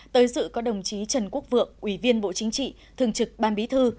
tới dự có đồng chí trần quốc vượng ủy viên bộ chính trị thường trực ban bí thư